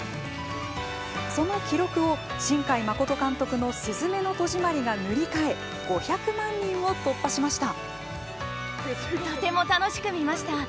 その記録を新海誠監督の「すずめの戸締まり」が塗り替え５００万人を突破しました。